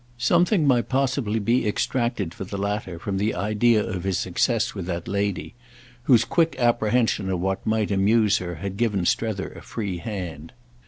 Something might possibly be extracted for the latter from the idea of his success with that lady, whose quick apprehension of what might amuse her had given Strether a free hand.